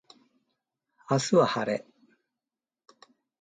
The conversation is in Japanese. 明日は晴れ